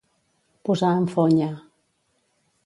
Posar en fonya.